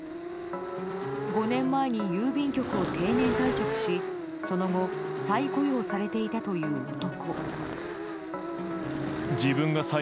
５年前に郵便局を定年退職しその後再雇用されていたという男。